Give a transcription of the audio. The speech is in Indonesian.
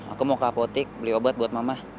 aku mau ke apotik beli obat buat mama